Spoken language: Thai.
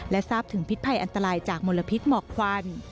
และทราบถึงพิษภัยอันตรายจากมลพิษหมอกควัน